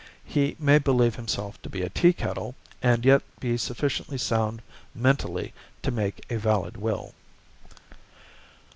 He may believe himself to be a tea kettle, and yet be sufficiently sound mentally to make a valid will.